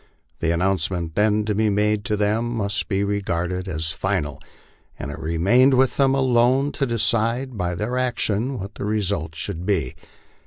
The announcement then to be made to them must be regarded as final, and it remained with them alona to decide by their action what the result should be.